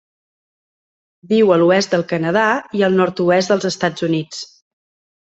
Viu a l'oest del Canadà i el nord-oest dels Estats Units.